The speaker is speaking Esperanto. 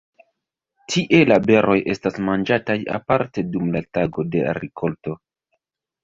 Tie la beroj estas manĝataj aparte dum la Tago de rikolto.